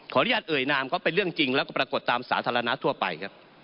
อนุญาตเอ่ยนามก็เป็นเรื่องจริงแล้วก็ปรากฏตามสาธารณะทั่วไปครับ